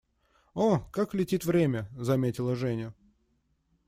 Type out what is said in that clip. «О, как летит время!», - заметила Женя.